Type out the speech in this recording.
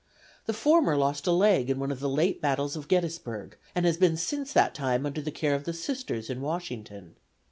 The former lost a leg in one of the late battles of Gettysburg and has been since that time under the care of the Sisters in Washington.